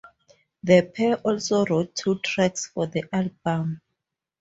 The pair also wrote two tracks for the album.